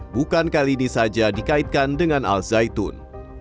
bukan kali ini saja dikaitkan dengan al zaitun